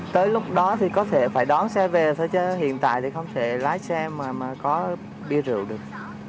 tới lúc đó thì có thể phải đón xe về thôi chứ hiện tại thì không thể lái xe mà có bia rượu được